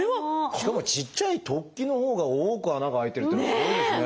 しかもちっちゃい突起のほうが多く穴が開いてるっていうのはすごいですね。